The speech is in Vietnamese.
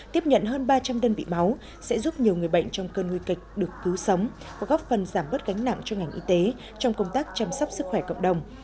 tiếp nhận hơn ba trăm linh đơn vị máu sẽ giúp nhiều người bệnh trong cơn nguy kịch được cứu sống và góp phần giảm bớt gánh nặng cho ngành y tế trong công tác chăm sóc sức khỏe cộng đồng